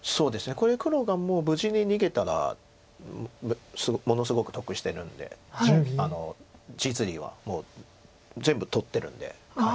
これ黒がもう無事に逃げたらものすごく得してるんで実利はもう全部取ってるんで。